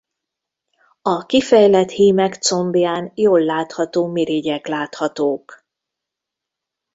A kifejlett hímek combján jól látható mirigyek láthatók.